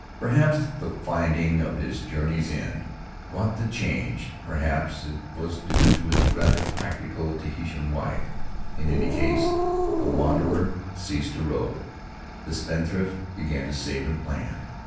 Perhaps the finding of his journey's end wrought the change, perhaps it was due to his rather practical Tahitian wife — in any case, the wanderer ceased to rove, the spendthrift began to save and plan.